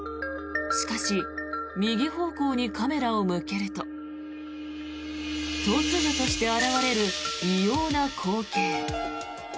しかし右方向にカメラを向けると突如として現れる異様な光景。